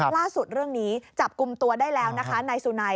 ล่าสุดเรื่องนี้จับกลุ่มตัวได้แล้วนะคะนายสุนัย